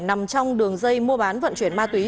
nằm trong đường dây mua bán vận chuyển ma túy